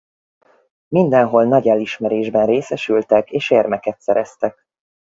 Mindenhol nagy elismerésben részesültek és érmeket szereztek.